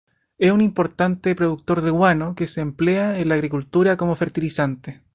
Es un importante productor de guano, que se emplea en la agricultura como fertilizante.